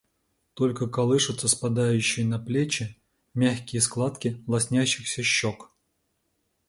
Только колышутся спадающие на плечи мягкие складки лоснящихся щек.